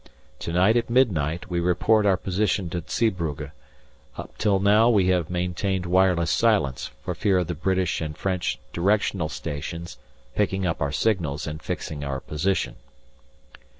To night at midnight we report our position to Zeebrugge, up till now we have maintained wireless silence for fear of the British and French directional stations picking up our signals and fixing our position.